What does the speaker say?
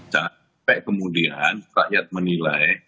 jangan sampai kemudian rakyat menilai